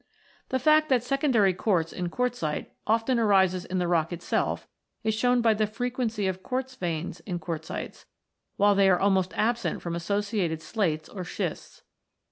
The fact that secondary quartz in quartzite often arises in the rock itself is shown by the frequency of quartz veins in quartzites, while they are almost absent from associated slates or schists.